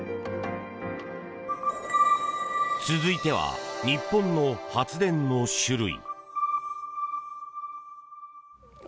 続いては、日本の発電の種類。